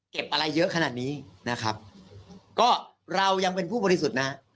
อะไรเยอะขนาดนี้นะครับก็เรายังเป็นผู้บริสุทธิ์นะฮะ